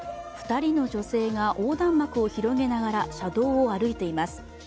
２人の女性が横断幕を広げながら車道を歩いています。